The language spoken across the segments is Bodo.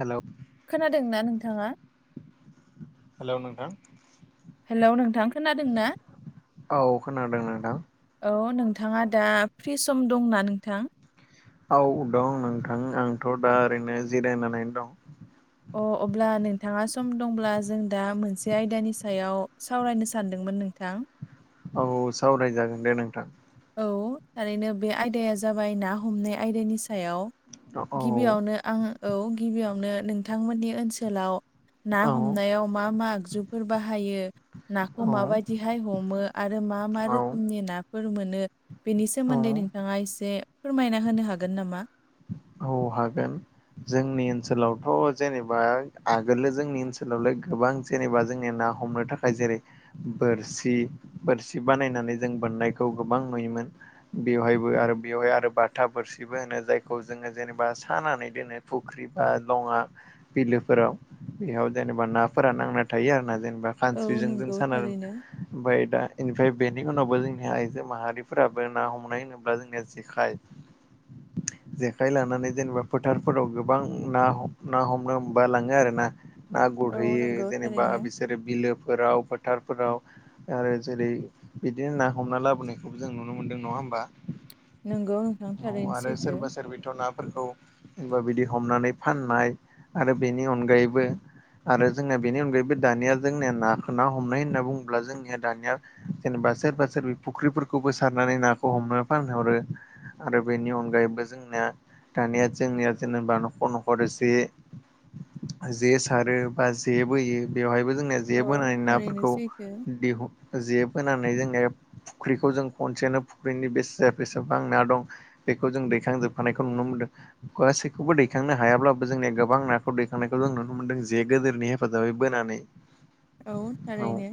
हेलौ। खोनादोंना नोंथांङा? हेलौ नोंथां। हेलौ नोंथां खोनादों ना? औ खोनादों नोंथां। औ नोंथांङा दा फ्रि सम दंना नोंथां। औ दं नोंथां आंथ दा ओरैनो जिरायनानैनो दं। अ अब्ला नोंथांङा सम दंब्ला जों दा मोनसे आयदानि सायाव सावरायनो सानदोंमोन नोंथां। औ सावरायजागोन दे नोंथां। औ थारैनो बे आयदाया जाबाय ना हमनाय आयदानि सायाव औ गिबियावनो आं औ गिबियावनो नोंथांमोननि ओनसोलाव ना औ हमनायाव मा मा आगजुफोर बाहायो नाखौ औ माबायदिहाय हमो आरो मा मा औ रोखोमनि नाफोर मोनो बेनि सोमोन्दै औ नोंथांङा एसे फोरमायना होनो हागोन नामा। अ हागोन। जोंनि ओनसोलावथ जेनेबा आगोल जोंनि ओनसोलाव गोबां जेनेबा जोंनिया ना हमनो थाखाय जेरै बोरसि बोरसि बानायनानै जों बोननायखौ गोबां नुयोमोन बेवहायबो आरो बेवहाय आरो बाथा बोरसिबो होनो जायखौ जोंङो जेनेबा सानानै दोनो फुख्रि बा दङा बिलोफोराव बेयाव जेनेबा नाफारा नांना थायो आरोना जेनेवा औ खास्रिजों जों नंगौ सानो थारैनो ओमफफ्राय दा निमफ्राय बेनि उनावबो जोंनि आइजो माहारिफोराबो ना हमनाय होनोब्ला जोंनि फ्राय जेखाइ लानानै जेनेबा फोथारफोराव गोबां ना ना हमनो हबा लाङो आरो ना ना औ गुरहैयो नंगौ जेनेबा थारैनो बिसोरो बिलोफोराव फोथारफोराव आरो जेरै बिदिनो ना हमना लाबोनायखौबो जों नुनो मोनदों नङा होमबा नंगौ नोंथां औ थारैनो आरो सैथो सोरबा सोरबि थ नाफोरखौबा बिदि हमनानै फाननाय आरो बेनि अनगायैबो आरो जोंना बेनि अनगायैबो दानिया जोंनिया नाखौ ना हमनाय होनना बुङोब्ला जोंनिया दानिया जेनेबा सोरबा सोरबि फुख्रिफोरखौबो सारनानै नाखौ हमना फानहरो आरो बेनि अनगायैबो जोंनिया दानिया जोंनिया जेनेबा नखर - नखर जे जे सारो बा जे बोयो बेवहायबो जोंनिया जे औ बोनानै थारैनो नाफोरखौ सैथो जे बोनानै नाफोरखौ दिहुन जेबोनानै जोङो फुख्रिखौ जों खनसेनो फुख्रिनि बेसे बेसेबां ना दं बेखौ जों दैखांजोब हानायखौ नुनो मोन्दों गासैखौबो दैखांनो हायाब्लाबो जोंनिया गोबां नाखौ दैखांनायखौ जों नुनो मोनदों जे गोदेरनि हेफाजाबै बोनानै [inaudible] औ औ थारैनो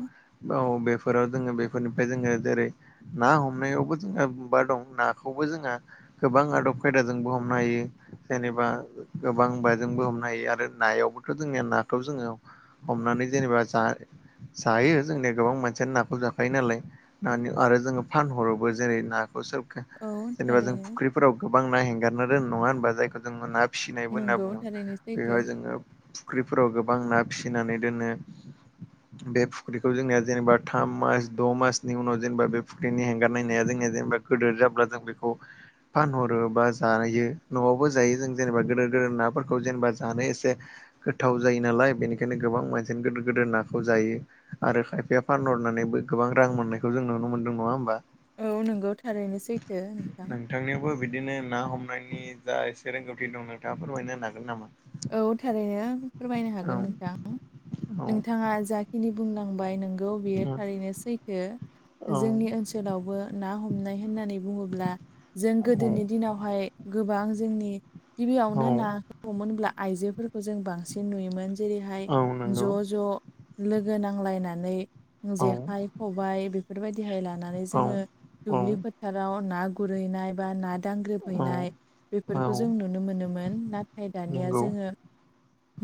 औ बेफोराव जोङो बेफोरनिफ्राय जोङो जेरै ना हमनायावबो जोंहा मबा दं नाखौबो जोंहा गोबां आदब खायदाजोंबो हमनो हायो। जेनेबा गोबां बायजोंबो हमनो हायो आरो नायावबोथ' जोंनिया नाखौ जोङो हमनानै जेनेबा जा जायो जोंनिया गोबां मानसियानो नाखौ जाखायो नालाय नानि आरो जोङो फानहरोबो जेरै नाखौ सोर औ जेनेबा जों थारैनो फुख्रि फोराव गोबां ना हेंगारना दोनो नङा होनबा जायखौ जोङो ना फिसिनायबो होनना नंगौ बुङो थारैनो सैथो बेवहाय जोङो फुख्रिफोराव गोबां ना फिसिनानै दोनो। [inaudible] बे फुख्रिखौ जोंनिया जेनेबा थाम मास द' मासनि उनाव जेनेबा बे फुख्रिनि हेंगारनाय नाया जोंनिया जेनेबा गोदोर जाब्ला जों बेखौ फानहरो बा जायो न'आवबो जायो जों जेनेबा गोदोर गोदोर नाफोरखौ जेनेबा जानो एसे गोथाव जायो नालाय बेनिखायनो गोबां मानसियानो गोदोर गोदोर नाखौ जायो। आरो खायफाया फानहरनानैबो गोबां रां मोननायखौ जों नुनो मोनदों नङा होमबा? औ नंगौ थारैनो सैथो नोंथां। नोंथांनियावबो बिदिनो ना हमनायनि जा एसे रोंगौथि दं नोंथाङा फोरमायना होनो हागोन नामा? औ थारैनो फोरमायनो हागोन नोंथां नोंथाङा जाखिनि बुंलांबाय नों गौ बियो थारैनो सैथो। औ औ जोंनि ओनसोलावबो ना हमनाय होननानै बुङोब्ला जों गोदोनि दिनावहाय गोबां जोंनि औ गिबियावनो ना हमो होनब्ला आइजोफोरख खौ जों बांसिन नुयोमोन जेरैहाय औ ज' नंगौ ज' लोगो नांलायनानै औ जेखाइ, खबाय बेफोरबायदिहाय लानानै औ जोङो दुब्लि औ फोथाराव ना गुरहैनाय बा नान औ दांग्रोबहैनाय बेफोरखौ औ जों नुनो मोनोमोन नाथाय दानिया ज नंगौ ओ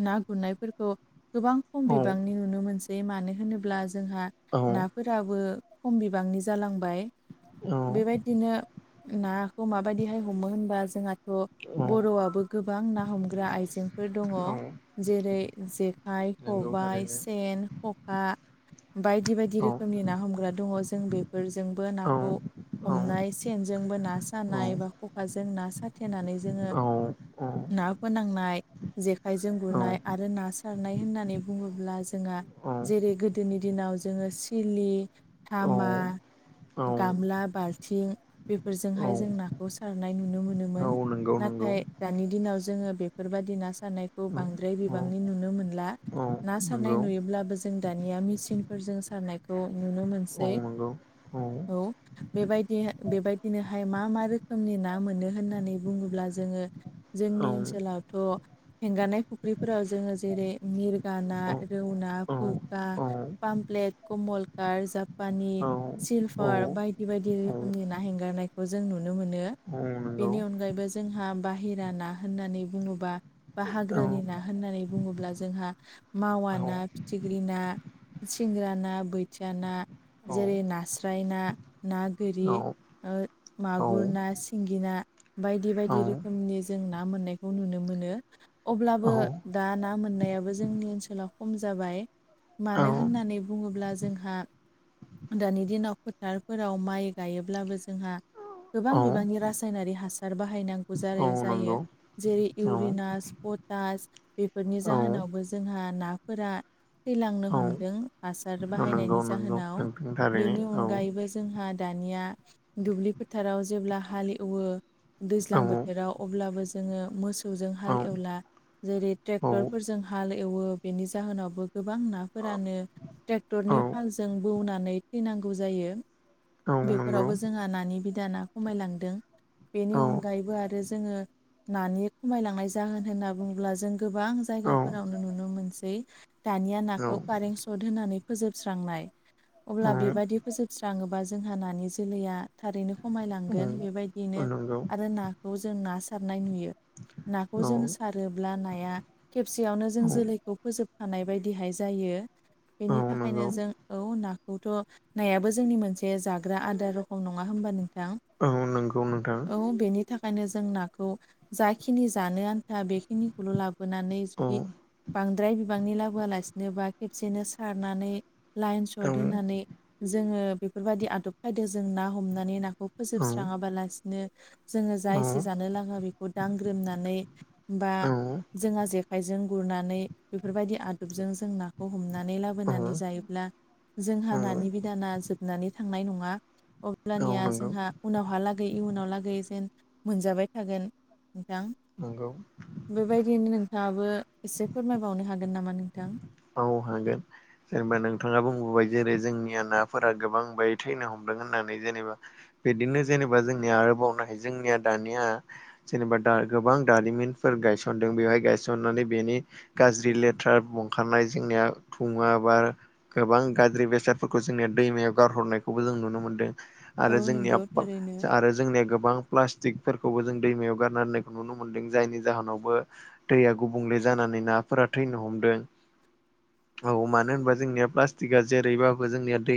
ना गुरनायफोरखौ गोबां खम औ बिबांनि नुनो मोनस सै मानो होनोब्ला जोंहा औ नाफोराबो खम बिबांनि जालांबाय। औ बेबायदिनो नाखौ माबायदिहाय हमो होनबा जोंहाथ' औ बर'आबो गोबां ना हमग्रा आइज फोर दङ औ जेरै जेखाइ, नंगौ खबाइ, थारैनो सेन, खखा बायदि बायदि औ रोखोमनि ना हमग्रा दङ जों बेफ फोरजोंबो औ नाखौ औ हमनाय सेनजोंबो ना औ सानाय बा खखाजों ना साथेनानै जोङो औ ना फोनांनाय जेखाइजों औ गुरनाय आरो ना सारनाय होननानै बुङोब्ला जोंहा जेरै गोदोनि दिनाव जोङो सिलि थामा औ गामला, बाल्थिं बेफोरजोंहाय औ जों नाखौ सारनाय नुनो औ मोनोमोन। नंगौ नंगौ। नाथाय दानि दिनाव जोङो बेफोरबायदि ना सारनायखौ औ बांद्राय औ बिबांनि नुनो मोनला। औ ना सारनाय नंगौ नुयोब्लाबो जों दानिया मेचिनफोरजों सारनायखौ नुनो औ मोनसै। नंगौ औ बेबायदि हो बेबायदिनोहाय मा मा रोखोमनि ना मोनो होननानै बुङोब्ला जोङो औ जोंनि ओनसोलाव थ' हेंगारनाय फुख्रिफोराव जोङो जेरै मिरगा ना, रौ ना औ खौ बा औ पामप्लेट, कमलकात, जापानि, औ सिलभार बाय दि बायदि औ रोखोमनि ना हेंगारनायखौ जों नुनो मोनो। नंगौ बेनि अनगायैबो जोंहा बाहेरा ना होननानै बुङोबा बा औ हाग्रानि ना होननानै बुङोब्ला जोंहा मावा ना, फिथिख्रि ना सिंग्रा ना, बैथिया ना जेरै नास्राय ना ना गोरि ओ औ मागुर ना, सिंगि ना बायदि औ बायदि औ रोखोमनि ज जों ना मोननायखौ नुनो मोनो औ अब्लाबो दा ना मोननायाबो जोंनि ओनसोलाव खम जाबाय मानो होननानै बुङोब्ला जोंहा दानि दिनाव फोथारफोराव माइ गायोब्लाबो जोंहा औ गोबां बिबांनि रासायनारि हासार बाहायनांगौ औ जाय जायो नंगौ जेरै औ इउरिनास पटास बेफोरनि औ जाहोनावबो जोंहा नाफोरा थैलांनो औ हमदों हासार नंगौ बाहायनायनि नंगौ जाहोनाव नोंथां थारैनो बेनि औ अनगायैबो। जोंहा दानिया दुब्लि फोथाराव जेब्ला हाल एवो औ दैज्लां बोथोराव जोङो मोसौजों औ एवला जेरै औ ट्रेक्टरफोरजों हाल एवो बेनि जाहोनावबो गोबां नाफोरानो औ बौनानै थैनांगौ जायो औ नंगौ बेफोरावबो जोंहा नानि बिदा ना खमायलांदों औ बेनि अनगायैबो आरो जोो नानि खमायलांनाय जाहोन होनना बुंुङोब्ला जों गोबां औ जायगाफोरावनो नुनो मोनसै दानिया औ नाखौ कारेन्ट सट होनानै फोजोबस्रांनाय औ अब्ला नंगौ बेबायदि फोजोबस्राङोबा जोंहा नानि जोलैया थारैनो औ खमायलांगोन औ बेबायदिैनो नंगौ आरो नाखौ जों ना सारनाय नुयो औ नाखौ जों सारोब्ला नाया खेबसेयावनो जों जोलै खौ फोजोबखानाय बायदिहाय जायो बेनि थाखायनो जों औ नाखौथ' नायाबो जोंनि मोनसे जाग्रा आदार रखम नङा होमबा नोंथां औ नंगौ नोंथां औ बेनि थाखायनो जों नाखौ जाखिनि जानो बेखिनिखौल' लाबोनानै औ जुदि बांद्राय बिबांनि लाबोआलासिनोबा खेबसेनो सारनानै लाइन औ सट होनानै जोङो बेफोरबायदि आदब खायदो जों ना हमनानै नाखौ फोजोबस्राङाबालासिनो जोङो जा औ एसे जानो लाङा बे दांग्रोमनानै बा औ जोंहा जेखाइजों गुरनानै बेफोरबायदि आद जों जोंनाखौ हमनानौ लाबोनानौ जायोब्ल जोंहा नानि दाना जोबनानै थांनाय नङा औ अब्लानिया नंगौ जोंहा उनावहालागै इयुनाव लागै जेन मोनजाबाय थागोन नोंथां नंगौ बेबायदियैनो नोंथाङाबो एसे फोरमायबावनो हागोन नामा नोंथां औ हागोन जेनेबा नोंथाङा बुंबोबाय जेरै जोंनिया नाफोरा गोबां ब थैनो हमदों होननानै जेनेबा बिदिनो जेनेबा जोंनिया आरोबावनो हायो जोंनिया दानिया जेनेबा गोबां दारिमिनफोर गायसनदों बेवहाय गायसननानै बेनि गाज्रि लेथ्रा बंखारनाय जोंनिया घुङा बा गोबां गाज्रि बेसादफोरखौ जोंनिया दैमायाव गारहरनायखौबो जों नुनो मोनदों औ आरो जों नंगौ थारैनो [unintelligible] जोंनिया गोबां प्लास्टिकफोरखौबो जों दैमायाव नुनो मोनदों जायनि जाहोनावबो दैया गुबुंले जानानै नाफोरा थैनो हमदों औ मानो होनबा जोंनिया प्लास्टिकआ जेरैबाबो जोंनिया दै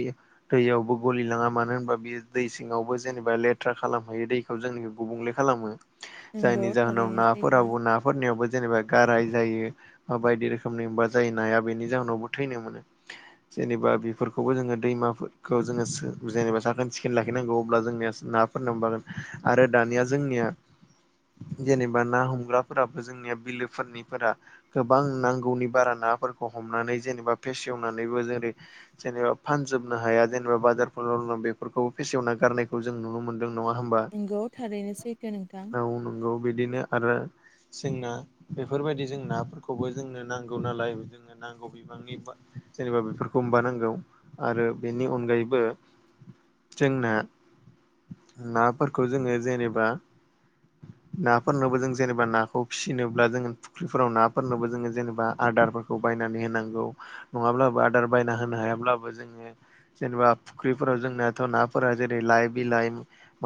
दैयावबो गलिलाङा मानो होनबा बेयो दै सिङावबो जेनेबा लेथ्रा खालामहैयो दै जोंनि गुबुंले खालामो नंगौ जायनि जाहोनाव थारैनो सैथो नाफोराबो ना फोरनियावबो जेनेबा गाराय जायो ब बायदि रोखोमनि जायोनाया बेनि जाहोनावबो थैनो मोनो जेनेबा बेफोरखौबो जोङो दैमाफोरखौ जोङो जेनेबा साखोन सिखोन लाखिनांगौ अब्ला जोंनिया ना फोरन बागोन आरो दानिया जोंनिया जेनेबा ना हमग्राफोराबो जोंनिया बिलोफोरनिफोरा गोबां नांगौनि बारा नाफोरखौ हमनानै जेनेबा फेसेवनानैबो जेरै जेनेबा फानजोबनो हाया जेनेबा बाजारफोराव बेफोरखौबो फेसेवना गारनायखौ जों नुनो मोन नों नङा होमबा नंगौ थारैनो सैथो नोंथां औ नंगौ। बिदिनो आरो सें ना बेफोरबायदि जों नाफोरखौबो जोंनो नांगौ नालाय। जोंनो नांगौ बि नि जेनेबा बेफोरखौ बानांगौ आरो बेनि अनगायैबो जों ना नाफोरखौ जोङो जेनेबा नाफोरनोबो जों जेनेबा नाखौ फिसिनोब्ला जों फुख्रिफोराव नाफोरनोबो जोङो जेनेबा आदारफोर खौ बायनानै होनांगौ नङाब्लाबो आदार बायना होनो हायाब्लाबो जोङो जेनेबा फुख्रिफोराव जोंनाथ' नाफोरा लाइ बिलाइ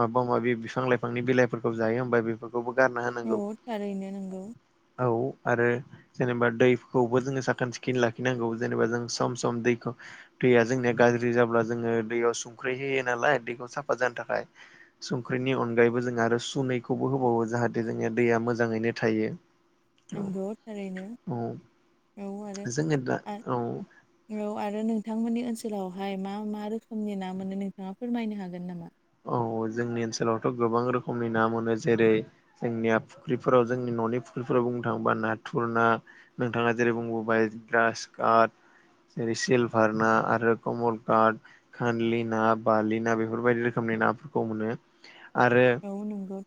माबा माबि बिफां लाइफांनि बिलाइफोरखौ जायो होनबा बेफोरखौबो गारना औ होनांगौ। थारैनो नंगौ औ आरो जेनेबा दैखौबो जोङो साखोन सिखोन लाखिनांगौ जेनेबा जों सम सम दैखौ दैया जोंनिया गाज्रि जाब्ला जोङो दैयाव संख्रि होयो नालाय दैखौ साफा जानो थाखाय संख्रिनि अनगायैबो जों आरो सुनैखौबो होबावो जाहाथे जोंङो दैया मोजाङैनो थायो। औ नंगौ थारैनो औ औ आरो। जोङो दा औ औ आरो नोंथांमोननि ओनसोलावहाय मा मा रोखोमनि ना मोनो नोंथाङा फोरमायनो हागोन नामा? औ जोंनि ओनसोलावथ' गोबां रोखोमनि ना मोनो। जेरै जोंनिया फुख्रिफोराव जोंनि न'नि फुख्रिफोराव बुंनो थाङोबा नाथुर ना नोंथाङा जेरै बुंबोबाय ब्रास कारट। जेरै सिलभार ना आरो कमल काट, खान्लि ना, बालि ना बेफोरबायदि रोखोम खोमनि नाफोरखौ मोनो आरो अ नोंगौ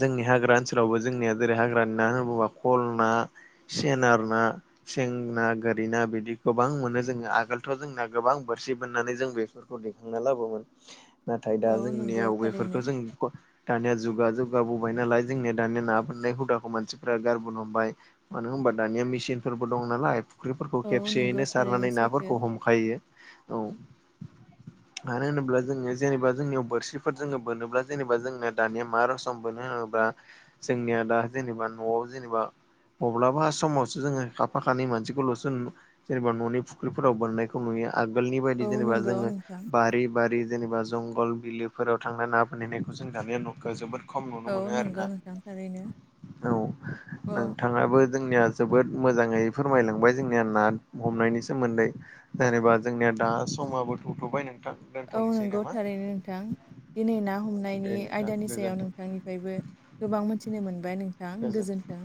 जोंनि हाग्रा ओनसोलावबो जोंनिया जेरै हाग्रानि ना होन बुङोबा खल ना सेनार ना सें ना, गोरिना बिदि गोबां मोनो जोङो आगोलथ' जोंना गोबां बोरसि बोननानै जों बे दैखांना लाबोमोन नाथाय दा औ नंगौ जोंनियाव बेफोरखौ थारैनो जों दानिया जुग जुगा जुगाबोबाय नालाय जोंनिया दानिया ना बोननाय हुदाखौ मानसिफोरा गारबोन हमबाय। मानो होनबा दानिया मेसिनफोरबो दं नालाय फुख्रिफोरखौ औ नंगौ खेबसेयैनो थारैनो सारनानै सैथो नाफोरखौ हमो। खायो औ। मानो होनोब्ला जोङो जेनेबा जोंनियाव बोरसिफोर जोङो बोनोब्ला जेनेबा जोङो दानिया मा रसम मोनो होनोब्ला जोंनिया दा जेनेबा न'आव जेनेबा अब्लाबा समावसो जोङो खाफा खानै मानसिखौल'सो जेनेबा न'नि फुख्रिफोराव बोननायखौ नुयो। आगोलनि बायदि औ जेनेबा नंगौ जोङो नोंथां बारि बारि जेनेबा जंगल बिलोफोराव थांना ना बोनहैनायखौ जों दानिया न'खआ जोबोद खम नुनो औ मोनो नंगौ आरोना नोंथां थारैनो औ औ नोंथां थाङाबो जोबोद मोजाङै जोंनिया ना हमनायनि सोमोन्दै। जेनेबा जोंनिया दा समाबोथ'थ'बाय नोंथां। औ दोनथ'नोसै नंगौ नामा थारैनो नोंथां दिनै ना दे हमनायनि नोंथां आयदानि सायाव गोजोनथों नोंथांनिफ्रायबो गोबां मोनथिनो मोनबाय नोंथां गोजोनथों गोजोन्थों।